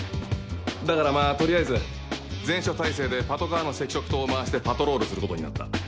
だからまぁ取りあえず全署態勢でパトカーの赤色灯を回してパトロールすることになった。